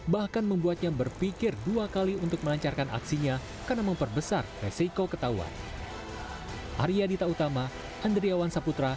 bahkan membuatnya berpikir dua kali untuk melancarkan aksinya karena memperbesar resiko ketahuan